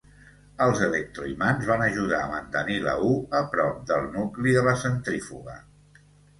Els electroimants van ajudar a mantenir la U a prop del nucli de la centrífuga.